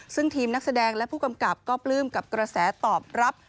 ซึ่งทีมนักแสดงและผู้กำกับก็ปลื้มกับกระแสตอบรับ